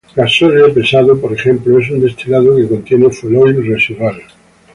Gasóleo pesado, por ejemplo, es un destilado que contiene fueloil residual.